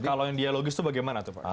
kalau yang dialogis itu bagaimana tuh pak